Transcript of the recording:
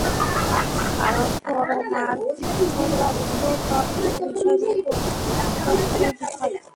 কারণ পরমার্থতত্ত্ব তর্কের বিষয় নহে, প্রত্যক্ষের বিষয়।